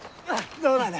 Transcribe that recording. どうなんだ？